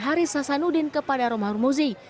haris hasanuddin kepada romahur muzi